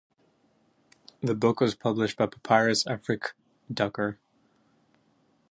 The book was published by Papyrus Afrique, Dakar.